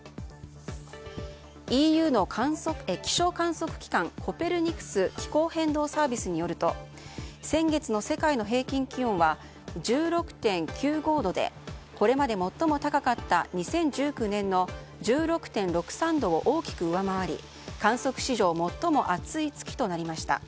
ＥＵの気象観測機関コペルニクス気候変動サービスによると先月の世界の平均気温は１６．９５度でこれまで最も高かった２０１９年の１６．６３度を大きく上回り観測史上最も暑い月となりました。